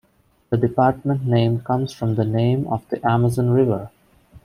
The department name comes from the name of the Amazon River.